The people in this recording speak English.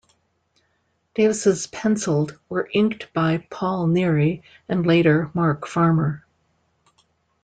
Davis' penciled were inked by Paul Neary and, later, Mark Farmer.